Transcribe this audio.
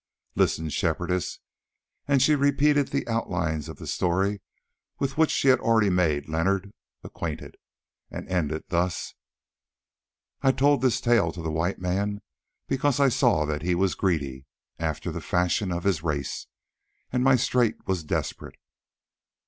Listen, Shepherdess," and she repeated the outlines of the story with which she had already made Leonard acquainted, ending thus: "I told this tale to the White Man because I saw that he was greedy, after the fashion of his race, and my strait was desperate.